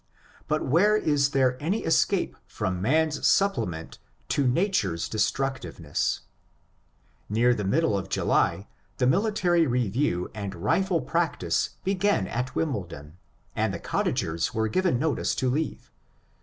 But where is there any escape from man's supplement to nature's destruc tiveness ? Near the middle of July the military review and rifle practice began at Wimbledon, and the cottagers were given notice to leave.